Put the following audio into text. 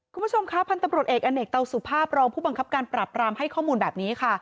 คุณผู้ชมคะพันธุ์ตำรวจเอกอเนกเตาสุภาพรองผู้บังคับการปรับรามให้ข้อมูลแบบนี้ค่ะ